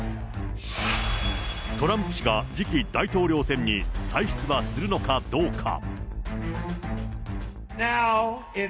トランプ氏が次期大統領選に再出馬するのかどうか。